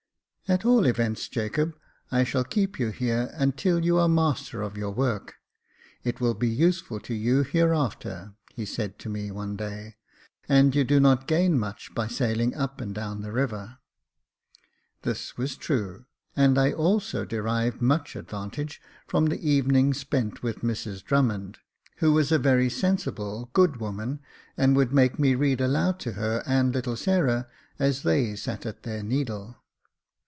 " At all events, Jacob, I shall keep you here until you are master of your work ; it will be useful to you here after," he said to me one day; *'and you do not gain much by sailing up and down the river." This was true ; and I also derived much advantage from the evenings spent with Mrs Drummond, who was J.F. I 1 3© Jacob Faithful a very sensible, good woman, and would make me read aloud to her and little Sarah as they sat at their needle.